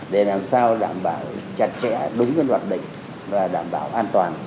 để làm sao đảm bảo chặt chẽ đúng với hoạt định và đảm bảo an toàn